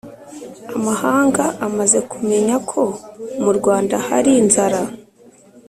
Amahanga amaze kumenya ko mu Rwanda hali inzara.